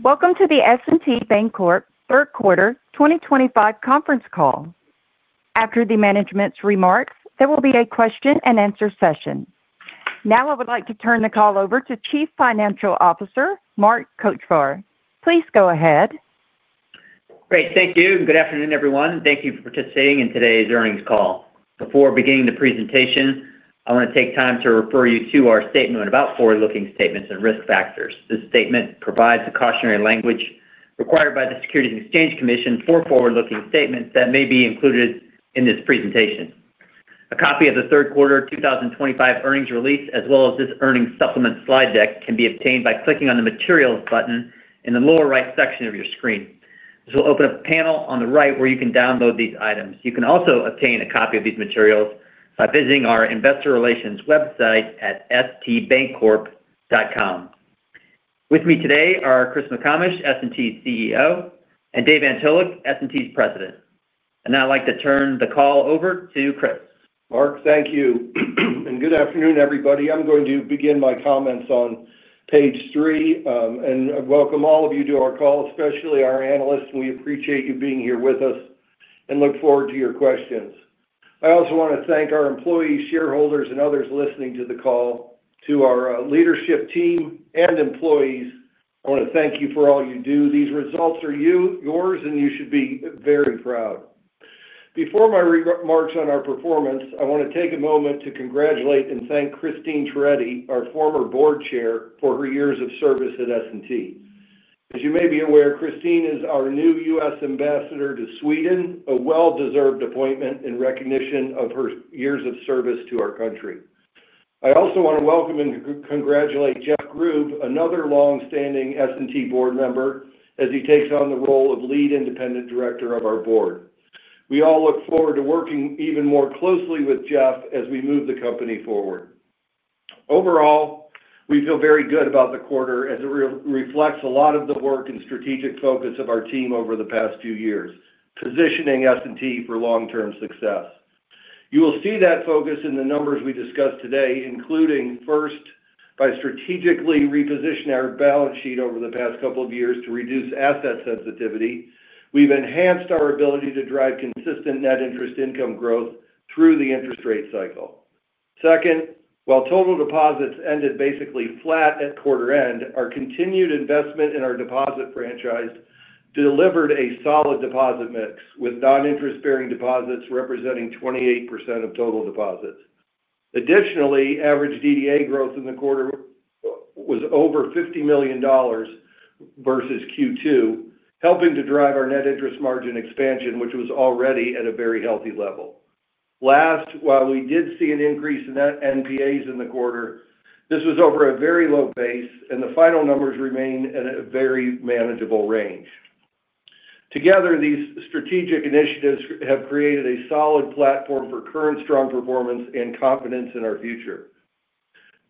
Welcome to the S&T Bancorp third quarter 2025 conference call. After the management's remarks, there will be a question and answer session. Now I would like to turn the call over to Chief Financial Officer Mark Kochvar. Please go ahead. Great, thank you. Good afternoon, everyone. Thank you for participating in today's earnings call. Before beginning the presentation, I want to take time to refer you to our statement about forward-looking statements and risk factors. This statement provides the cautionary language required by the Securities and Exchange Commission for forward-looking statements that may be included in this presentation. A copy of the third quarter 2025 earnings release, as well as this earnings supplement slide deck, can be obtained by clicking on the materials button in the lower right section of your screen. This will open up a panel on the right where you can download these items. You can also obtain a copy of these materials by visiting our investor relations website at stbancorp.com. With me today are Chris McComish, S&T's CEO, and David Antolik, S&T's President. I'd like to turn the call over to Chris. Mark, thank you. Good afternoon, everybody. I'm going to begin my comments on page three and welcome all of you to our call, especially our analysts. We appreciate you being here with us and look forward to your questions. I also want to thank our employees, shareholders, and others listening to the call, to our leadership team and employees. I want to thank you for all you do. These results are yours, and you should be very proud. Before my remarks on our performance, I want to take a moment to congratulate and thank Christine Tredi, our former Board Chair, for her years of service at S&T Bancorp. As you may be aware, Christine is our new U.S. Ambassador to Sweden, a well-deserved appointment in recognition of her years of service to our country. I also want to welcome and congratulate Jeff Grube, another longstanding S&T Bancorp board member, as he takes on the role of Lead Independent Director of our Board. We all look forward to working even more closely with Jeff as we move the company forward. Overall, we feel very good about the quarter as it reflects a lot of the work and strategic focus of our team over the past few years, positioning S&T Bancorp for long-term success. You will see that focus in the numbers we discuss today, including, first, by strategically repositioning our balance sheet over the past couple of years to reduce asset sensitivity, we've enhanced our ability to drive consistent net interest income growth through the interest rate cycle. Second, while total deposits ended basically flat at quarter end, our continued investment in our deposit franchise delivered a solid deposit mix with non-interest-bearing deposits representing 28% of total deposits. Additionally, average DDA growth in the quarter was over $50 million versus Q2, helping to drive our net interest margin expansion, which was already at a very healthy level. Last, while we did see an increase in NPAs in the quarter, this was over a very low base, and the final numbers remain in a very manageable range. Together, these strategic initiatives have created a solid platform for current strong performance and confidence in our future.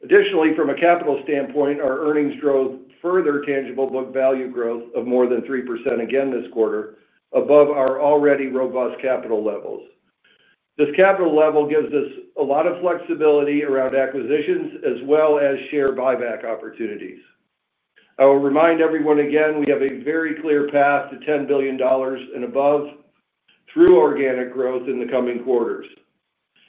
Additionally, from a capital standpoint, our earnings drove further tangible book value growth of more than 3% again this quarter, above our already robust capital levels. This capital level gives us a lot of flexibility around acquisitions as well as share buyback opportunities. I will remind everyone again, we have a very clear path to $10 billion and above through organic growth in the coming quarters.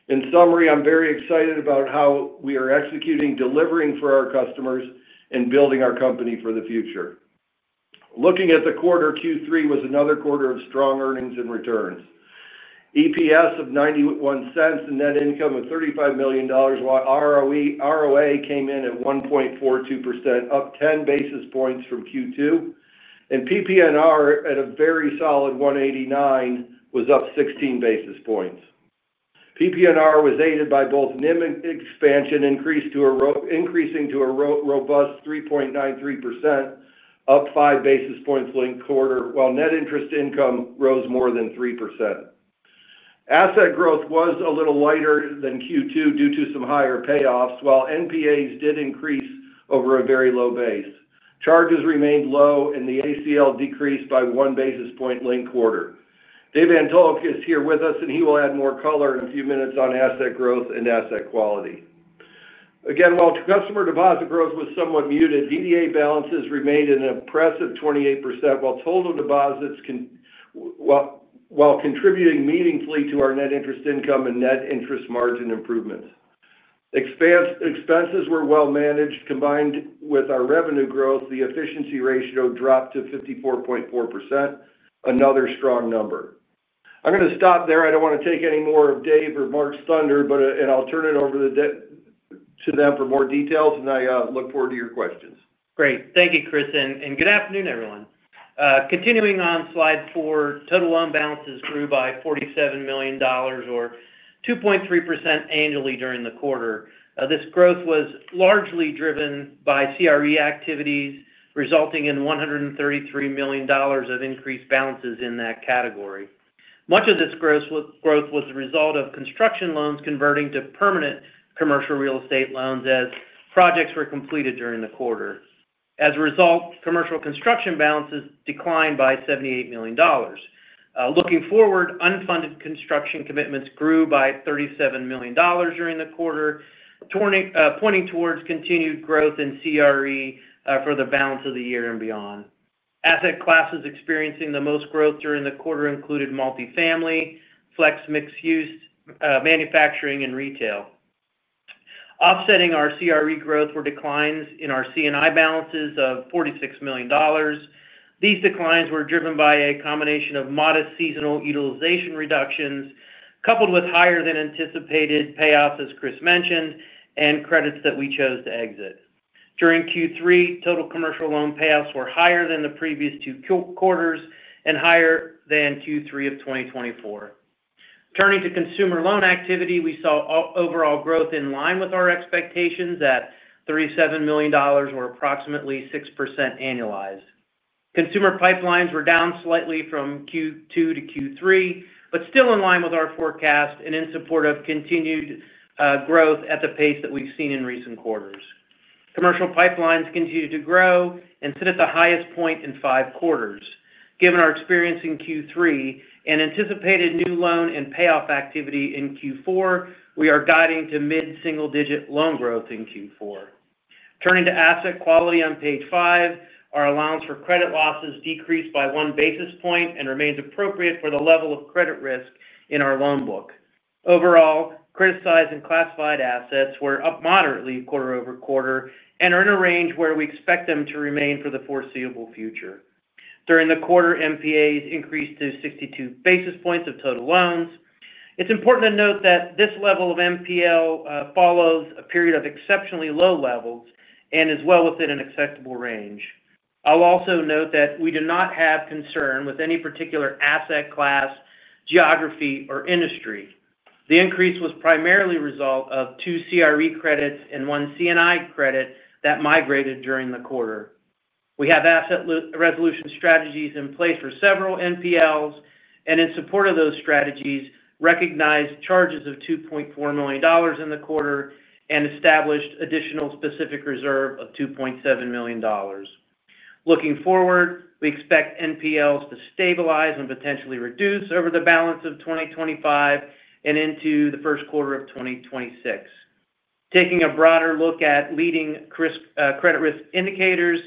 In summary, I'm very excited about how we are executing, delivering for our customers, and building our company for the future. Looking at the quarter, Q3 was another quarter of strong earnings and returns. EPS of $0.91 and net income of $35 million, while ROE, ROA came in at 1.42%, up 10 basis points from Q2. PPNR at a very solid 1.89% was up 16 basis points. PPNR was aided by both NIM expansion increasing to a robust 3.93%, up five basis points late quarter, while net interest income rose more than 3%. Asset growth was a little lighter than Q2 due to some higher payoffs, while NPAs did increase over a very low base. Charges remained low, and the ACL decreased by one basis point late quarter. David Antolik is here with us, and he will add more color in a few minutes on asset growth and asset quality. Again, while customer deposit growth was somewhat muted, DDA balances remained at an impressive 28%, while total deposits contributed meaningfully to our net interest income and net interest margin improvements. Expenses were well managed. Combined with our revenue growth, the efficiency ratio dropped to 54.4%, another strong number. I'm going to stop there. I don't want to take any more of David or Mark's thunder, and I'll turn it over to them for more details, and I look forward to your questions. Great. Thank you, Chris, and good afternoon, everyone. Continuing on slide four, total loan balances grew by $47 million or 2.3% annually during the quarter. This growth was largely driven by CRE activities, resulting in $133 million of increased balances in that category. Much of this growth was the result of construction loans converting to permanent commercial real estate loans as projects were completed during the quarter. As a result, commercial construction balances declined by $78 million. Looking forward, unfunded construction commitments grew by $37 million during the quarter, pointing towards continued growth in CRE for the balance of the year and beyond. Asset classes experiencing the most growth during the quarter included multifamily, flex mixed-use manufacturing, and retail. Offsetting our CRE growth were declines in our C&I balances of $46 million. These declines were driven by a combination of modest seasonal utilization reductions, coupled with higher than anticipated payoffs, as Chris mentioned, and credits that we chose to exit. During Q3, total commercial loan payoffs were higher than the previous two quarters and higher than Q3 of 2023. Turning to consumer loan activity, we saw overall growth in line with our expectations at $37 million or approximately 6% annualized. Consumer pipelines were down slightly from Q2 to Q3, but still in line with our forecast and in support of continued growth at the pace that we've seen in recent quarters. Commercial pipelines continue to grow and sit at the highest point in five quarters. Given our experience in Q3 and anticipated new loan and payoff activity in Q4, we are guiding to mid-single-digit loan growth in Q4. Turning to asset quality on page five, our allowance for credit losses decreased by one basis point and remains appropriate for the level of credit risk in our loan book. Overall, credit size and classified assets were up moderately quarter over quarter and are in a range where we expect them to remain for the foreseeable future. During the quarter, NPAs increased to 62 basis points of total loans. It's important to note that this level of NPL follows a period of exceptionally low levels and is well within an acceptable range. I'll also note that we do not have concern with any particular asset class, geography, or industry. The increase was primarily a result of two CRE credits and one C&I credit that migrated during the quarter. We have asset resolution strategies in place for several NPLs, and in support of those strategies, recognized charges of $2.4 million in the quarter and established additional specific reserve of $2.7 million. Looking forward, we expect NPLs to stabilize and potentially reduce over the balance of 2024 and into the first quarter of 2025. Taking a broader look at leading credit risk indicators,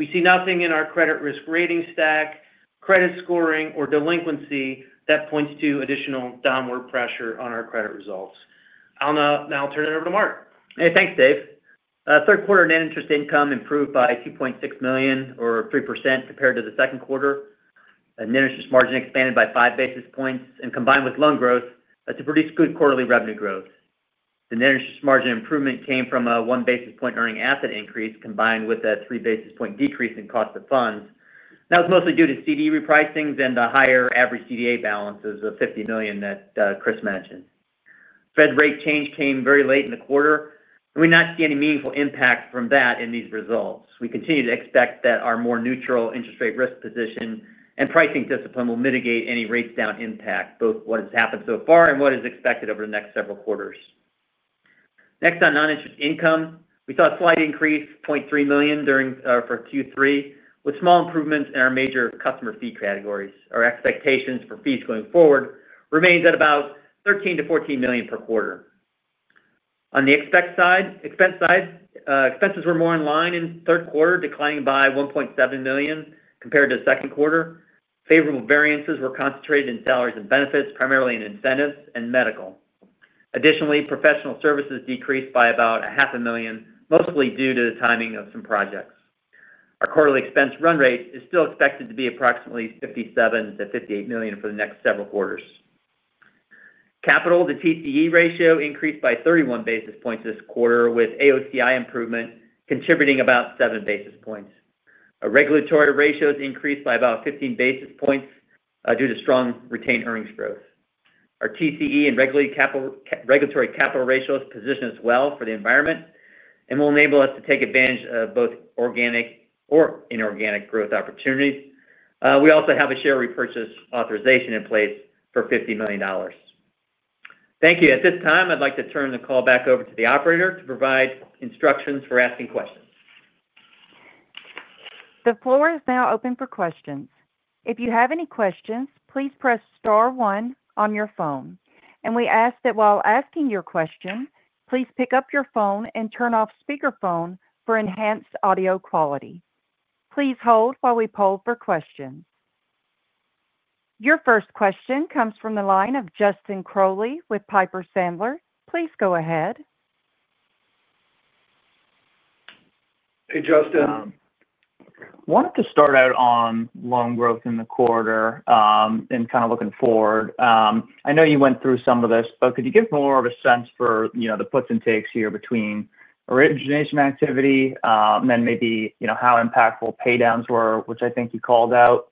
we see nothing in our credit risk rating stack, credit scoring, or delinquency that points to additional downward pressure on our credit results. I'll now turn it over to Mark. Hey, thanks, Dave. Third quarter net interest income improved by $2.6 million or 3% compared to the second quarter. Net interest margin expanded by five basis points and combined with loan growth to produce good quarterly revenue growth. The net interest margin improvement came from a one basis point earning asset increase combined with a three basis point decrease in cost of funds. That was mostly due to CD repricings and the higher average DDA balances of $50 million that Chris mentioned. Fed rate change came very late in the quarter, and we did not see any meaningful impact from that in these results. We continue to expect that our more neutral interest rate risk position and pricing discipline will mitigate any rates down impact, both what has happened so far and what is expected over the next several quarters. Next, on non-interest income, we saw a slight increase, $0.3 million during Q3, with small improvements in our major customer fee categories. Our expectations for fees going forward remain at about $13 to $14 million per quarter. On the expense side, expenses were more in line in the third quarter, declining by $1.7 million compared to the second quarter. Favorable variances were concentrated in salaries and benefits, primarily in incentives and medical. Additionally, professional services decreased by about a half a million, mostly due to the timing of some projects. Our quarterly expense run rate is still expected to be approximately $57 to $58 million for the next several quarters. Capital to TCE ratio increased by 31 basis points this quarter, with AOCI improvement contributing about seven basis points. Our regulatory ratios increased by about 15 basis points due to strong retained earnings growth. Our TCE and regulatory capital ratios position us well for the environment and will enable us to take advantage of both organic or inorganic growth opportunities. We also have a share repurchase authorization in place for $50 million. Thank you. At this time, I'd like to turn the call back over to the operator to provide instructions for asking questions. The floor is now open for questions. If you have any questions, please press star one on your phone. We ask that while asking your question, please pick up your phone and turn off speaker phone for enhanced audio quality. Please hold while we poll for questions. Your first question comes from the line of Justin Crowley with Piper Sandler. Please go ahead. Hey, Justin. I wanted to start out on loan growth in the quarter and kind of looking forward. I know you went through some of this, but could you give more of a sense for the puts and takes here between origination activity and then maybe how impactful paydowns were, which I think you called out?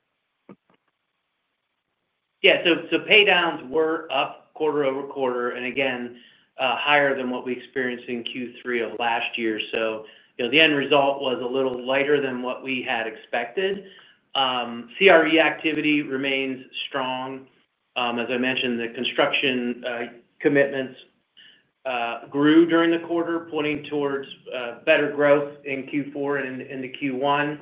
Yeah, paydowns were up quarter over quarter and again higher than what we experienced in Q3 of last year. The end result was a little lighter than what we had expected. CRE activity remains strong. As I mentioned, the construction commitments grew during the quarter, pointing towards better growth in Q4 and into Q1.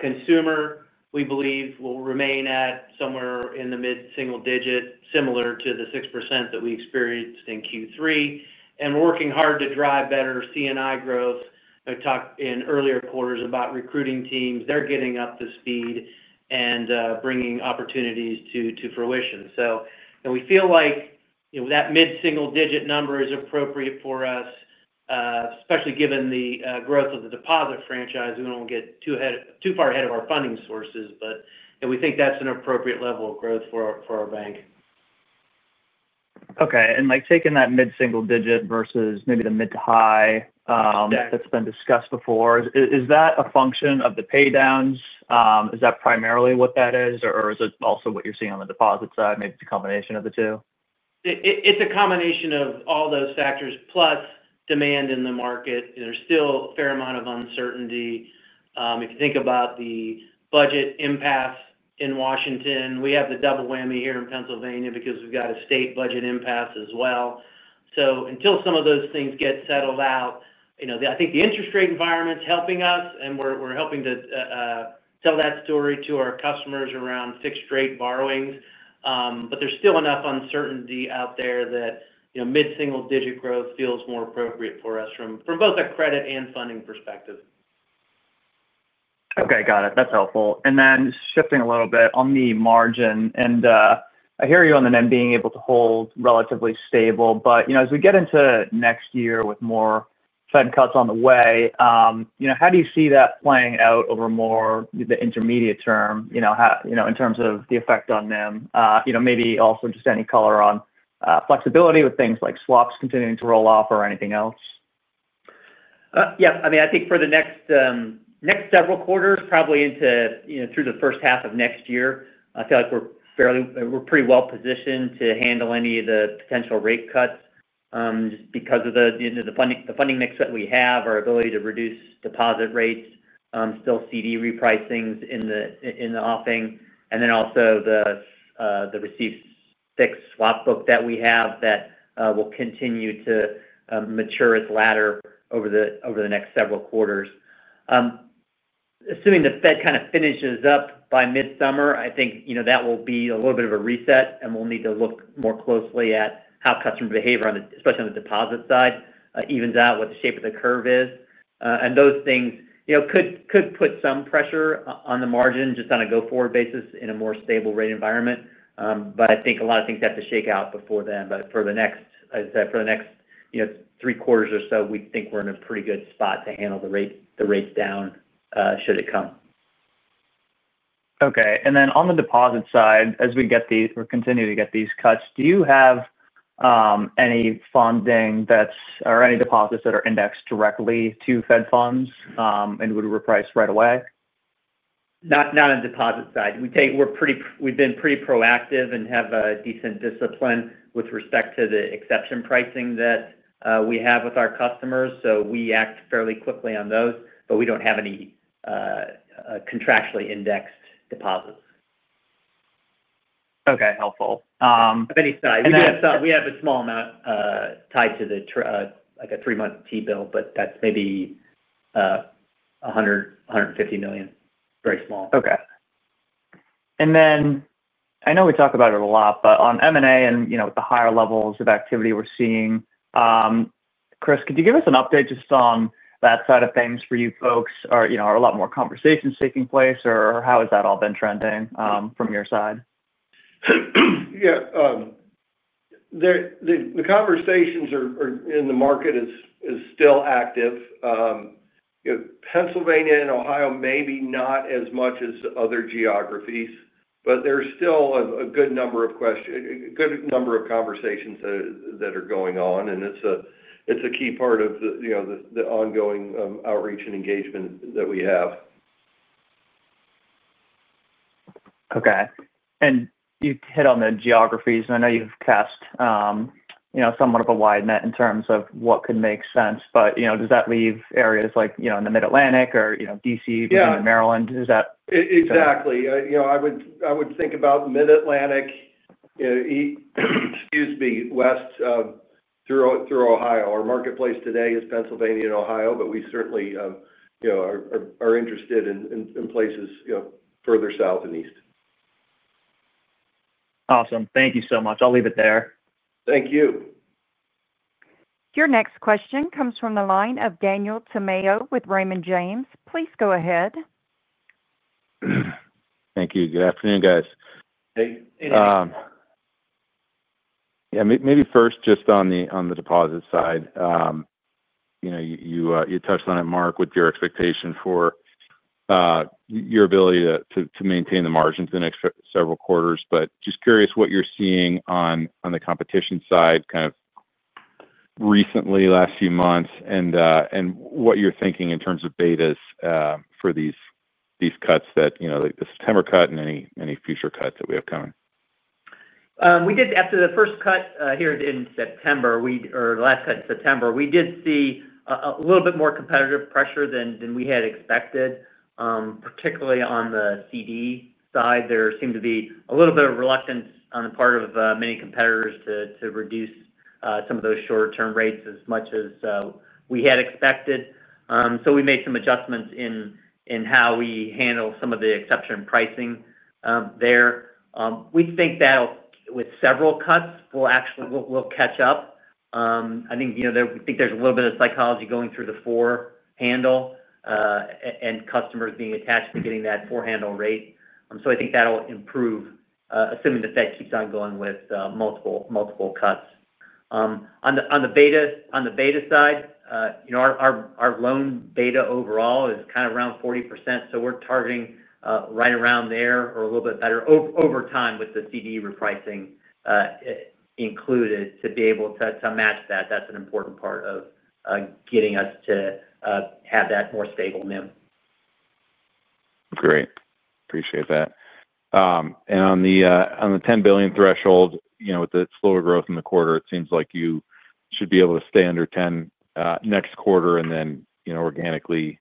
Consumer, we believe, will remain at somewhere in the mid-single digit, similar to the 6% that we experienced in Q3. We're working hard to drive better C&I growth. I talked in earlier quarters about recruiting teams. They're getting up to speed and bringing opportunities to fruition. We feel like that mid-single digit number is appropriate for us, especially given the growth of the deposit franchise. We don't want to get too far ahead of our funding sources, but we think that's an appropriate level of growth for our bank. Okay. Taking that mid-single digit versus maybe the mid to high that's been discussed before, is that a function of the paydowns? Is that primarily what that is, or is it also what you're seeing on the deposit side? Maybe it's a combination of the two? It's a combination of all those factors, plus demand in the market. There's still a fair amount of uncertainty. If you think about the budget impasse in Washington, we have the double whammy here in Pennsylvania because we've got a state budget impasse as well. Until some of those things get settled out, I think the interest rate environment's helping us, and we're helping to tell that story to our customers around fixed-rate borrowings. There's still enough uncertainty out there that mid-single digit growth feels more appropriate for us from both a credit and funding perspective. Okay, got it. That's helpful. Shifting a little bit on the margin, I hear you on the net interest margin being able to hold relatively stable. As we get into next year with more Fed cuts on the way, how do you see that playing out over more the intermediate term in terms of the effect on net interest margin? Maybe also just any color on flexibility with things like swaps continuing to roll off or anything else? Yeah, I mean, I think for the next several quarters, probably through the first half of next year, I feel like we're pretty well positioned to handle any of the potential rate cuts just because of the funding mix that we have, our ability to reduce deposit rates, still CD repricings in the offing, and then also the receipts fixed swap book that we have that will continue to mature its ladder over the next several quarters. Assuming the Fed kind of finishes up by mid-summer, I think that will be a little bit of a reset, and we'll need to look more closely at how customer behavior, especially on the deposit side, evens out what the shape of the curve is. Those things could put some pressure on the margin just on a go-forward basis in a more stable rate environment. I think a lot of things have to shake out before then. For the next, as I said, for the next three quarters or so, we think we're in a pretty good spot to handle the rates down should it come. Okay. On the deposit side, as we get these, we're continuing to get these cuts. Do you have any funding or any deposits that are indexed directly to Fed funds and would reprice right away? Not on the deposit side. We've been pretty proactive and have a decent discipline with respect to the exception pricing that we have with our customers. We act fairly quickly on those, but we don't have any contractually indexed deposits. Okay, helpful. Of any size. We do have a small amount tied to the, like, a three-month T-bill, but that's maybe $100 million, $150 million. Very small. Okay. I know we talk about it a lot, but on M&A and with the higher levels of activity we're seeing, Chris, could you give us an update just on that side of things for you folks? Are a lot more conversations taking place, or how has that all been trending from your side? The conversations in the market are still active. Pennsylvania and Ohio may be not as much as other geographies, but there's still a good number of questions, a good number of conversations that are going on. It's a key part of the ongoing outreach and engagement that we have. Okay. You hit on the geographies, and I know you've cast somewhat of a wide net in terms of what could make sense, but does that leave areas like in the Mid-Atlantic or D.C., Virginia, Maryland? Exactly. I would think about Mid-Atlantic, west through Ohio. Our marketplace today is Pennsylvania and Ohio, but we certainly are interested in places further south and east. Awesome. Thank you so much. I'll leave it there. Thank you. Your next question comes from the line of Daniel Tamayo with Raymond James. Please go ahead. Thank you. Good afternoon, guys. Hey. Yeah. Maybe first just on the deposit side. You touched on it, Mark, with your expectation for your ability to maintain the margins in the next several quarters, but just curious what you're seeing on the competition side recently, last few months, and what you're thinking in terms of betas for these cuts that, you know, like the September cut and any future cuts that we have coming. We did, after the first cut here in September, or the last cut in September, see a little bit more competitive pressure than we had expected, particularly on the CD side. There seemed to be a little bit of reluctance on the part of many competitors to reduce some of those shorter-term rates as much as we had expected. We made some adjustments in how we handle some of the exception pricing there. We think that with several cuts, we'll actually catch up. We think there's a little bit of psychology going through the forehandle and customers being attached to getting that forehandle rate. That will improve, assuming that keeps on going with multiple cuts. On the beta side, our loan beta overall is kind of around 40%. We're targeting right around there or a little bit better over time with the CD repricing included to be able to match that. That's an important part of getting us to have that more stable net interest margin. Great. Appreciate that. On the $10 billion threshold, with the slower growth in the quarter, it seems like you should be able to stay under $10 billion next quarter, and then, organically,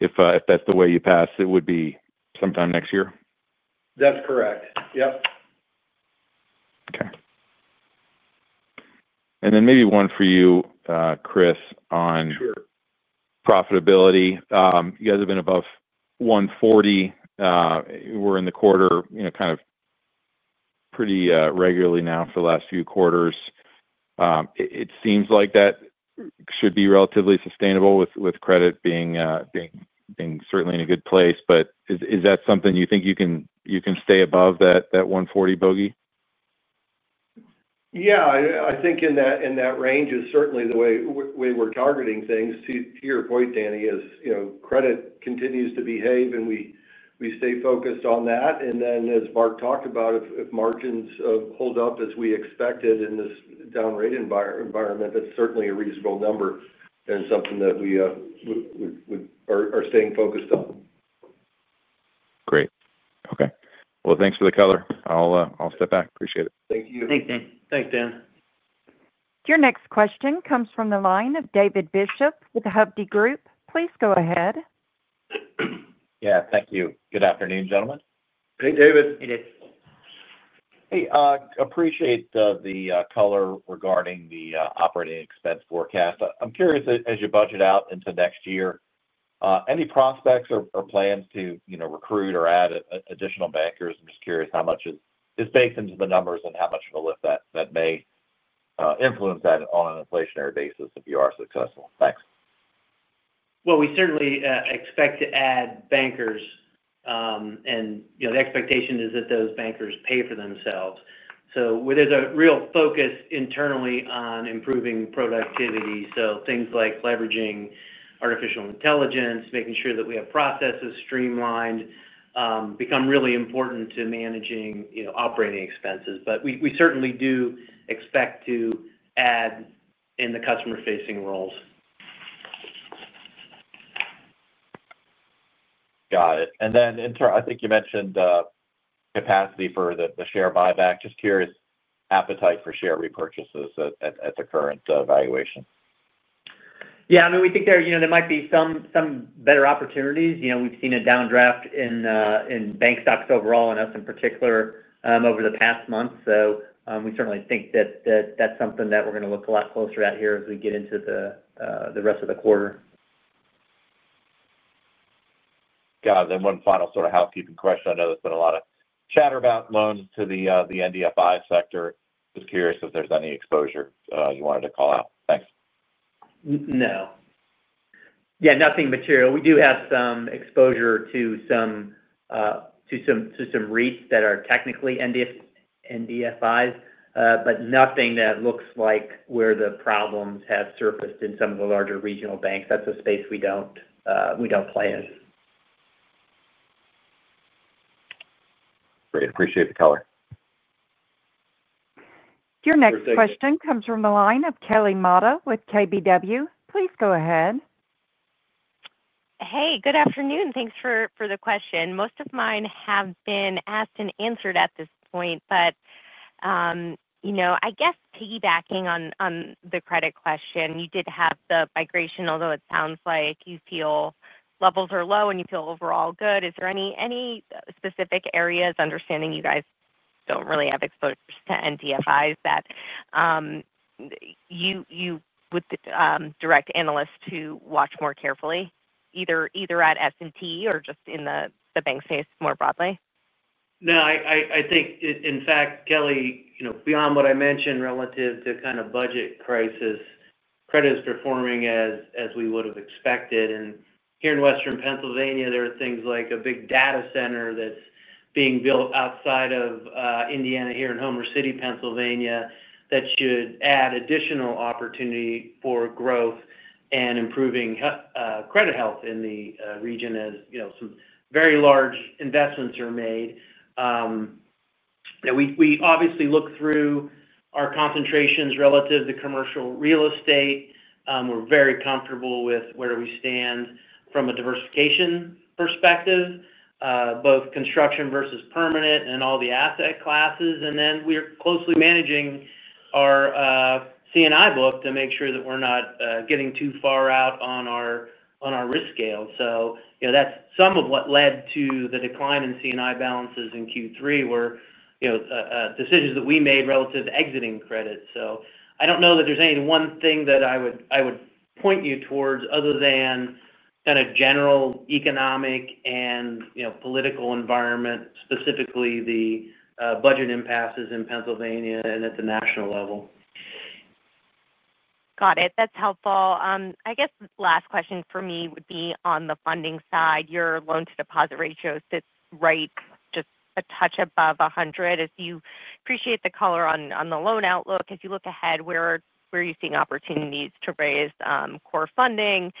if that's the way you pass, it would be sometime next year? That's correct. Yep. Okay. Maybe one for you, Chris, on profitability. You guys have been above 140. We're in the quarter, you know, kind of pretty regularly now for the last few quarters. It seems like that should be relatively sustainable with credit being certainly in a good place. Is that something you think you can stay above, that 140 bogey? Yeah, I think in that range is certainly the way we're targeting things. To your point, Daniel, as credit continues to behave and we stay focused on that, and then, as Mark talked about, if margins hold up as we expected in this down rate environment, that's certainly a reasonable number and something that we are staying focused on. Great. Okay, thanks for the color. I'll step back. Appreciate it. Thank you. Thanks, Dan. Thanks, Dan. Your next question comes from the line of David Bishop with Hovde Group. Please go ahead. Yeah, thank you. Good afternoon, gentlemen. Hey, David. Hey, Dave. I appreciate the color regarding the operating expense forecast. I'm curious, as you budget out into next year, any prospects or plans to recruit or add additional bankers? I'm just curious how much is baked into the numbers and how much of a lift that may influence that on an inflationary basis if you are successful. Thanks. We certainly expect to add bankers, and the expectation is that those bankers pay for themselves. There is a real focus internally on improving productivity. Things like leveraging artificial intelligence and making sure that we have processes streamlined become really important to managing operating expenses. We certainly do expect to add in the customer-facing roles. Got it. I think you mentioned capacity for the share buyback. Just curious, appetite for share repurchases at the current valuation? Yeah, I mean, we think there might be some better opportunities. We've seen a downdraft in bank stocks overall and us in particular over the past month. We certainly think that that's something that we're going to look a lot closer at here as we get into the rest of the quarter. Got it. One final sort of housekeeping question. I know there's been a lot of chatter about loans to the NDFI sector. Just curious if there's any exposure you wanted to call out. Thanks. No. Yeah, nothing material. We do have some exposure to some REITs that are technically NDFIs, but nothing that looks like where the problems have surfaced in some of the larger regional banks. That's a space we don't play in. Great. Appreciate the color. Your next question comes from the line of Kelly Motta with KBW. Please go ahead. Hey, good afternoon. Thanks for the question. Most of mine have been asked and answered at this point, but I guess piggybacking on the credit question, you did have the migration, although it sounds like you feel levels are low and you feel overall good. Is there any specific areas, understanding you guys don't really have exposure to NDFIs, that you would direct analysts to watch more carefully, either at S&T or just in the bank space more broadly? No, I think, in fact, Kelly, you know, beyond what I mentioned relative to kind of budget crisis, credit is performing as we would have expected. Here in Western Pennsylvania, there are things like a big data center that's being built outside of Indiana here in Homer City, Pennsylvania, that should add additional opportunity for growth and improving credit health in the region as some very large investments are made. We obviously look through our concentrations relative to commercial real estate. We're very comfortable with where we stand from a diversification perspective, both construction versus permanent and all the asset classes. We're closely managing our C&I book to make sure that we're not getting too far out on our risk scale. That's some of what led to the decline in C&I balances in Q3 were decisions that we made relative to exiting credit. I don't know that there's any one thing that I would point you towards other than kind of general economic and political environment, specifically the budget impasses in Pennsylvania and at the national level. Got it. That's helpful. I guess the last question for me would be on the funding side. Your loan-to-deposit ratio sits right just a touch above 100%. If you appreciate the color on the loan outlook, if you look ahead, where are you seeing opportunities to raise core funding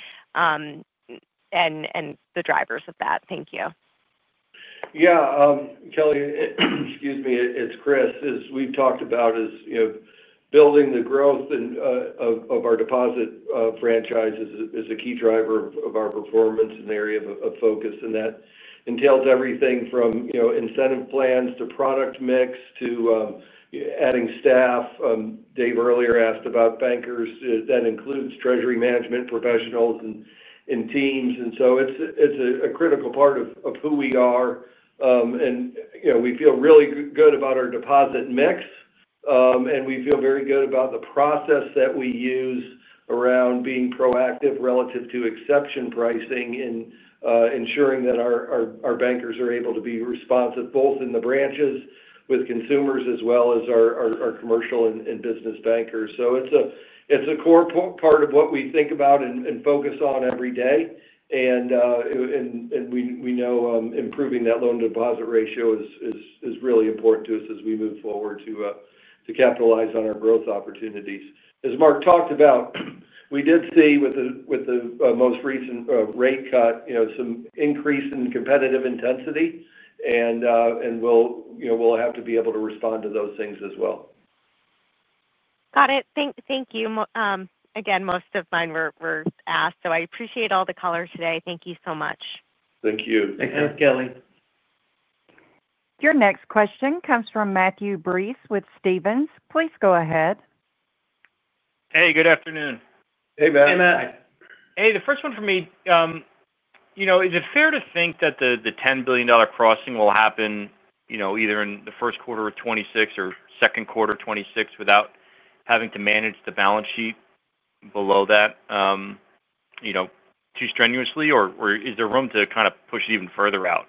and the drivers of that? Thank you. Yeah, Kelly, excuse me, it's Chris. We've talked about building the growth of our deposit franchise as a key driver of our performance and area of focus. That entails everything from incentive plans to product mix to adding staff. Dave earlier asked about bankers. That includes treasury management professionals and teams. It's a critical part of who we are. We feel really good about our deposit mix, and we feel very good about the process that we use around being proactive relative to exception pricing and ensuring that our bankers are able to be responsive both in the branches with consumers as well as our commercial and business bankers. It's a core part of what we think about and focus on every day. We know improving that loan-to-deposit ratio is really important to us as we move forward to capitalize on our growth opportunities. As Mark talked about, we did see with the most recent rate cut some increase in competitive intensity. We'll have to be able to respond to those things as well. Got it. Thank you. Most of mine were asked. I appreciate all the color today. Thank you so much. Thank you. Thanks, Kelly. Your next question comes from Matthew Breese with Stephens. Please go ahead. Hey, good afternoon. Hey, Matt. Hey, Matt. The first one for me, is it fair to think that the $10 billion crossing will happen either in the first quarter of 2026 or second quarter of 2026 without having to manage the balance sheet below that too strenuously? Is there room to kind of push it even further out?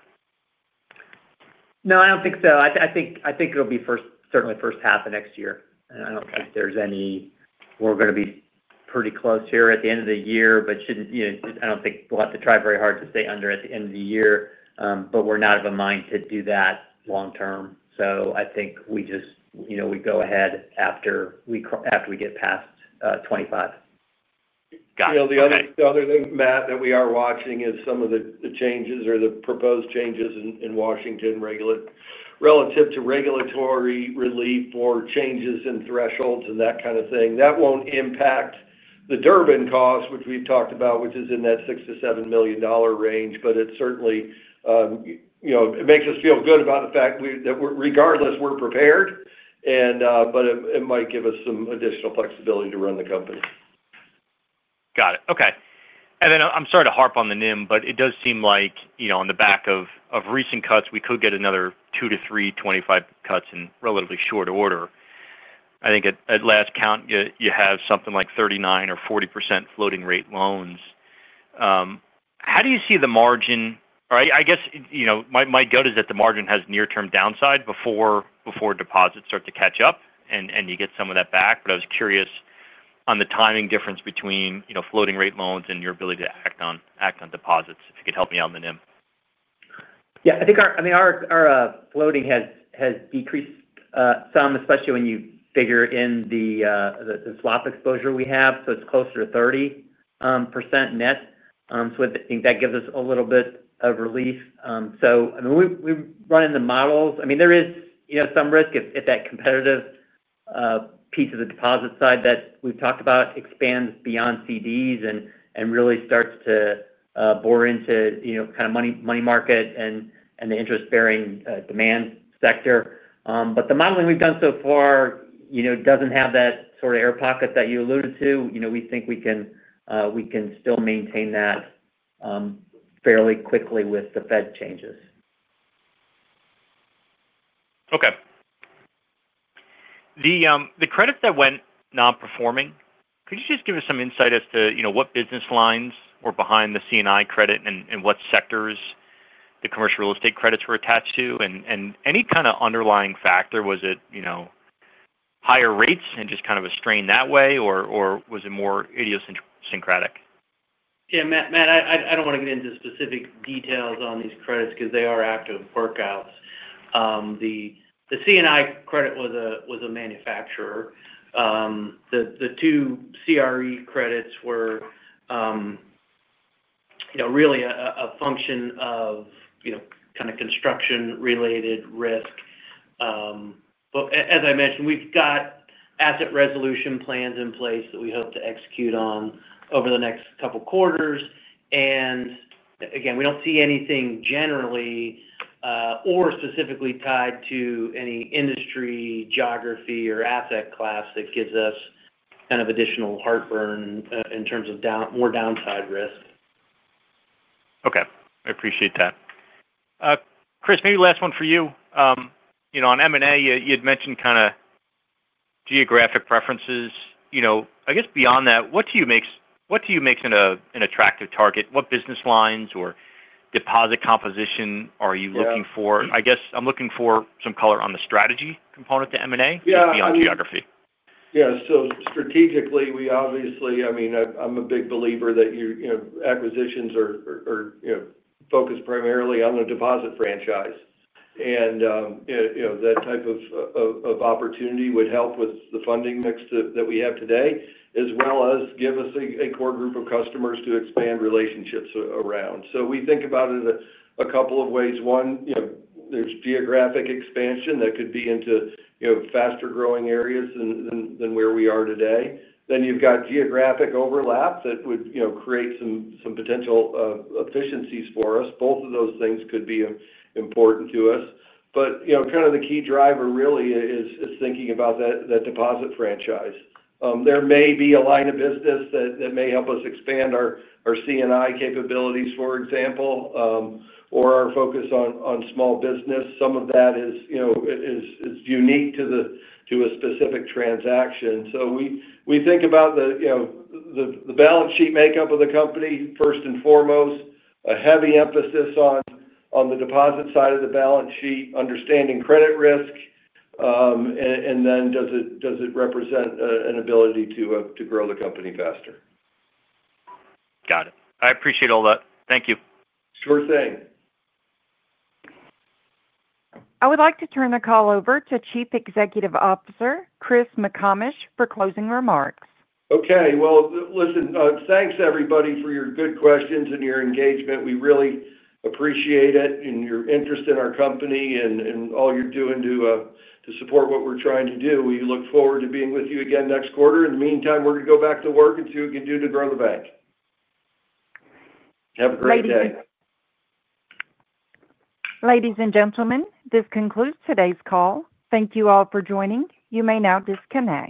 No, I don't think so. I think it'll be first, certainly first half of next year. I don't think there's any. We're going to be pretty close here at the end of the year, but I don't think we'll have to try very hard to stay under at the end of the year. We're not of a mind to do that long term. I think we just go ahead after we get past 2025. Got it. The other thing, Matt, that we are watching is some of the changes or the proposed changes in Washington relative to regulatory relief for changes in thresholds and that kind of thing. That won't impact the Durbin cost, which we've talked about, which is in that $6 to $7 million range. It certainly makes us feel good about the fact that regardless, we're prepared. It might give us some additional flexibility to run the company. Got it. Okay. I'm sorry to harp on the net interest margin, but it does seem like, on the back of recent cuts, we could get another 2 to 3, 25 basis point cuts in relatively short order. I think at last count, you have something like 39% or 40% floating rate loans. How do you see the margin? My gut is that the margin has near-term downside before deposits start to catch up and you get some of that back. I was curious on the timing difference between floating rate loans and your ability to act on deposits, if you could help me out on the net interest margin. Yeah, I think our floating has decreased some, especially when you figure in the swap exposure we have. It's closer to 30% net. I think that gives us a little bit of relief. I mean, we run in the models. There is some risk if that competitive piece of the deposit side that we've talked about expands beyond CDs and really starts to bore into, you know, kind of money market and the interest-bearing demand sector. The modeling we've done so far doesn't have that sort of air pocket that you alluded to. We think we can still maintain that fairly quickly with the Fed changes. Okay. The credits that went nonperforming, could you just give us some insight as to, you know, what business lines were behind the C&I credit and what sectors the commercial real estate credits were attached to? Any kind of underlying factor? Was it, you know, higher rates and just kind of a strain that way, or was it more idiosyncratic? Yeah, Matt, I don't want to get into specific details on these credits because they are active workouts. The C&I credit was a manufacturer. The two CRE credits were really a function of kind of construction-related risk. As I mentioned, we've got asset resolution plans in place that we hope to execute on over the next couple quarters. We don't see anything generally or specifically tied to any industry, geography, or asset class that gives us kind of additional heartburn in terms of more downside risk. Okay. I appreciate that. Chris, maybe the last one for you. On M&A, you had mentioned kind of geographic preferences. I guess beyond that, what do you make an attractive target? What business lines or deposit composition are you looking for? I guess I'm looking for some color on the strategy component to M&A beyond geography. Yeah. Strategically, we obviously, I mean, I'm a big believer that your acquisitions are focused primarily on the deposit franchise. That type of opportunity would help with the funding mix that we have today, as well as give us a core group of customers to expand relationships around. We think about it a couple of ways. One, you know, there's geographic expansion that could be into faster growing areas than where we are today. You've got geographic overlap that would create some potential efficiencies for us. Both of those things could be important to us. The key driver really is thinking about that deposit franchise. There may be a line of business that may help us expand our C&I capabilities, for example, or our focus on small business. Some of that is unique to a specific transaction. We think about the balance sheet makeup of the company first and foremost, a heavy emphasis on the deposit side of the balance sheet, understanding credit risk, and then does it represent an ability to grow the company faster? Got it. I appreciate all that. Thank you. Sure thing. I would like to turn the call over to Chief Executive Officer Chris McComish for closing remarks. Okay. Thanks everybody for your good questions and your engagement. We really appreciate it and your interest in our company and all you're doing to support what we're trying to do. We look forward to being with you again next quarter. In the meantime, we're going to go back to work and see what we can do to grow the bank. Have a great day. Ladies and gentlemen, this concludes today's call. Thank you all for joining. You may now disconnect.